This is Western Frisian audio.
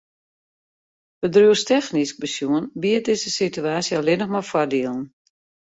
Bedriuwstechnysk besjoen biedt dizze situaasje allinnich mar foardielen.